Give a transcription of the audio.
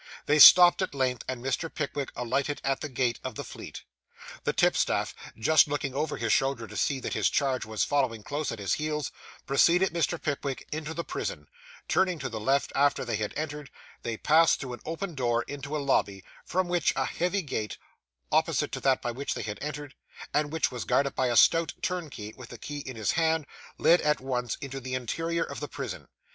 They stopped at length, and Mr. Pickwick alighted at the gate of the Fleet. The tipstaff, just looking over his shoulder to see that his charge was following close at his heels, preceded Mr. Pickwick into the prison; turning to the left, after they had entered, they passed through an open door into a lobby, from which a heavy gate, opposite to that by which they had entered, and which was guarded by a stout turnkey with the key in his hand, led at once into the interior of the prison.